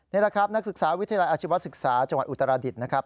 นี่แหละครับนักศึกษาวิทยาลัยอาชีวศึกษาจังหวัดอุตราดิษฐ์นะครับ